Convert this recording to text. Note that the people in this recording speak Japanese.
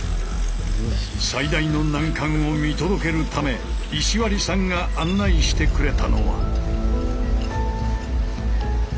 最大の難関を見届けるため石割さんが案内してくれたのは。